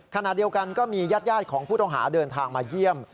ขณะเดียวกันก็มีญาติของผู้ต้องหาเดินทางมาเยี่ยม